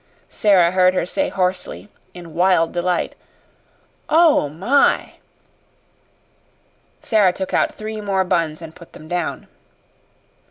Sara heard her say hoarsely, in wild delight. "OH my!" Sara took out three more buns and put them down.